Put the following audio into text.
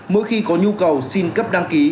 mỗi khi có nhu cầu xin cấp đăng ký